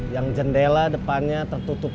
yang jendela depannya tertutup tirai atau hortel